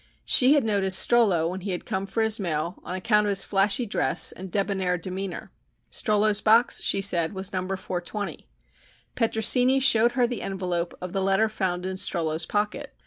She had noticed Strollo when he had come for his mail on account of his flashy dress and debonair demeanor. Strollo's box, she said, was No. 420. Petrosini showed her the envelope of the letter found in Strollo's pocket.